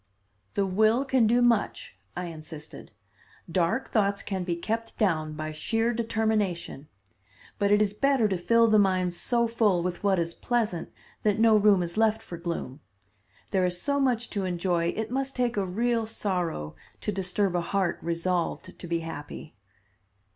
"The will can do much," I insisted. "Dark thoughts can be kept down by sheer determination. But it is better to fill the mind so full with what is pleasant that no room is left for gloom. There is so much to enjoy it must take a real sorrow to disturb a heart resolved to be happy."